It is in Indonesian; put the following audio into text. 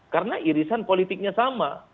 karena irisan politiknya sama